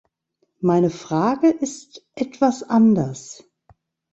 Meine Frage ist etwas anders.